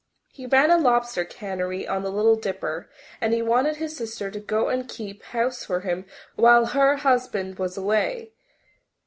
He ran a lobster cannery on the Little Dipper, and he wanted his sister to go and keep house for him while her husband was away.